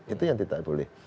itu yang tidak boleh